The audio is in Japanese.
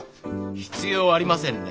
必要ありませんね。